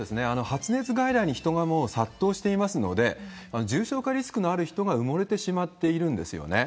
発熱外来に人がもう殺到していますので、重症化リスクのある人が埋もれてしまっているんですよね。